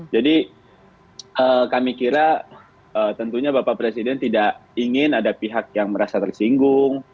kami kira tentunya bapak presiden tidak ingin ada pihak yang merasa tersinggung